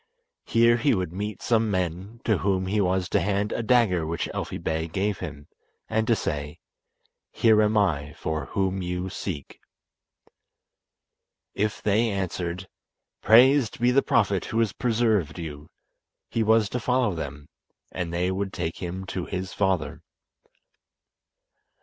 Here he would meet some men, to whom he was to hand a dagger which Elfi Bey gave him, and to say "Here am I for whom you seek." If they answered: "Praised be the Prophet who has preserved you," he was to follow them, and they would take him to his father.